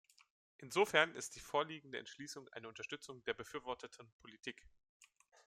Insofern ist die vorliegende Entschließung eine Unterstützung der befürworteten Politik.